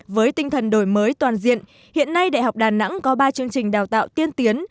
với tinh thần đổi mới toàn diện hiện nay đại học đà nẵng có ba chương trình đào tạo tiên tiến